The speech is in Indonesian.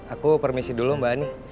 aku permisi dulu mbak ani